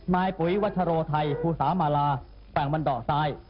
นายปุ๋ยวัชโรไทยภูสามาลาแกว่งวันดอกซ้าย